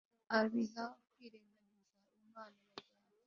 abiha kwirengagiza imana bazashya